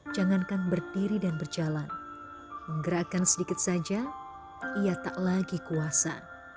jangankan berdiri dan berjalan menggerakkan sedikit saja ia tak lagi kuasa